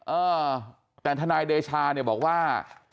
เอ่อแต่ทนัยเดชาบอกว่า